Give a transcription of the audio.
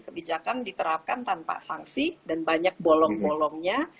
kebijakan diterapkan tanpa sanksi dan banyak bolong bolongnya